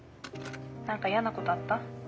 ☎何か嫌なことあった？